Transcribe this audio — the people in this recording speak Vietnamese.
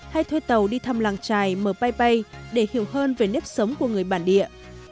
hay thuê tàu đi thăm làng trài mở bay bay để hiểu hơn về nếp sống của người bản địa